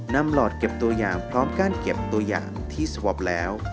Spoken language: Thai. หลอดเก็บตัวอย่างพร้อมกั้นเก็บตัวอย่างที่สวอปแล้ว